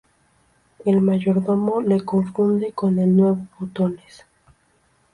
El mayordomo le confunde con el nuevo botones.